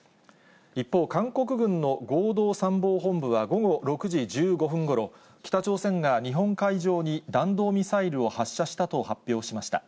一方、韓国軍の合同参謀本部は、午後６時１５分ごろ、北朝鮮が日本海上に弾道ミサイルを発射したと発表しました。